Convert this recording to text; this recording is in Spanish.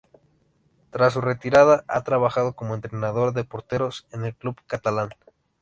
Tras su retirada ha trabajado como entrenador de porteros en el club catalán.